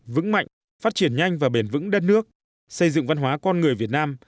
vững mạnh phát triển nhanh và bền vững đất nước xây dựng văn hóa con người việt nam